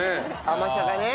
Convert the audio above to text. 甘さがね。